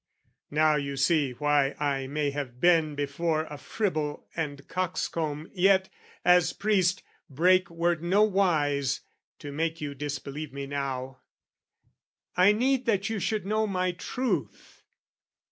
Now you see why I may have been before A fribble and coxcomb, yet, as priest, break word Nowise, to make you disbelieve me now. I need that you should know my truth.